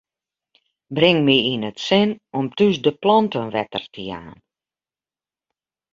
Bring my yn it sin om thús de planten wetter te jaan.